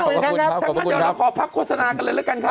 ขอบคุณครับขอบคุณครับเดี๋ยวเราขอพักโฆษณากันเลยแล้วกันครับ